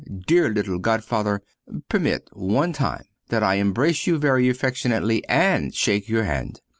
dear little godfather. Permit, one time, that I embrace you very affectuously, and shake your hand.